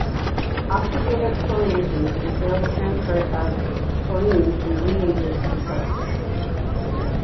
Oxidative chlorinations entail the transfer of Cl from the reagent to the substrate.